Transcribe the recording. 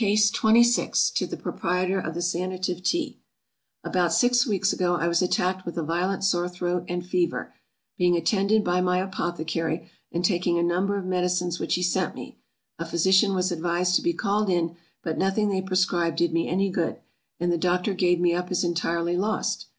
_ ABOUT six weeks ago, I was attacked with a violent sore throat, and fever, being attended by my apothecary, and taking a number of medicines which he sent me, a physician was advised to be called in, but nothing they prescribed did me any good, and the doctor gave me up as entirely lost.